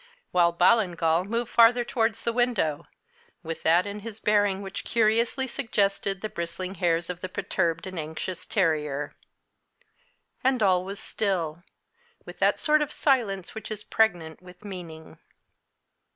While Ballingall moved farther towards the window, with that in his bearing which curiously suggested the bristling hairs of the perturbed and anxious terrier. And all was still with that sort of silence which is pregnant with meaning.